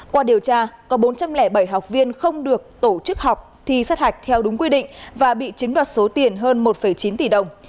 qua điều tra có bốn trăm linh bảy học viên không được tổ chức học thi sát hạch theo đúng quy định và bị chiếm đoạt số tiền hơn một chín tỷ đồng